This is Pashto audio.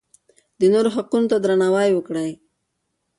د نورو حقونو ته درناوی وکړئ.